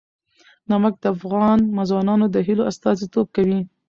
نمک د افغان ځوانانو د هیلو استازیتوب کوي.